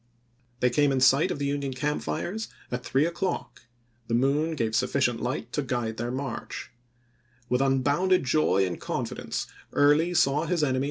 They came in sight War, p CEDAR CREEK 317 of the Union campfires at three o'clock ; the moon chap. xiv. gave sufficient light to guide their march. With unbounded joy and confidence Early saw his enemy Oct.